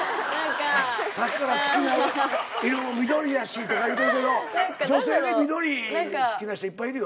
さっきから好きな色緑やしとか言うてるけど女性で緑好きな人いっぱいいるよ。